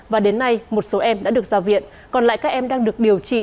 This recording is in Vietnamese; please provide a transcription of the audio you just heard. và đến nay một số em đã được ra viện còn lại các em đang được điều trị